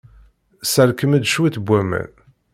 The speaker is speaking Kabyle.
Sserkem-d cwiṭ n waman.